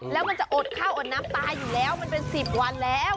แล้วมันจะอดข้าวอดน้ำตายอยู่แล้วมันเป็น๑๐วันแล้ว